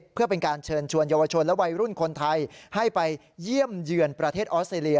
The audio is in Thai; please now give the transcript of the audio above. เพื่อเป็นการเชิญชวนเยาวชนและวัยรุ่นคนไทยให้ไปเยี่ยมเยือนประเทศออสเตรเลี